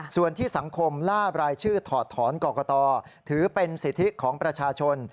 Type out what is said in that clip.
ส่วนที่สังคมล่ารายชื่อถอดถอนกรกตถือเป็นสิทธิของประชาชน